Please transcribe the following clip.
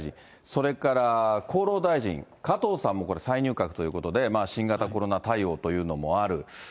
それから厚労大臣、加藤さんもこれ、再入閣ということで、新型コロナ対応というのもある。